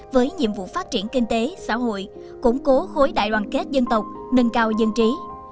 với nhiệm vụ phát triển kinh tế xã hội củng cố khối đại đoàn kết dân tộc nâng cao dân trí